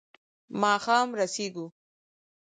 ماښام رسېږو.